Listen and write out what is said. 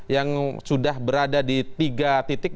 yang sudah berada di tiga titik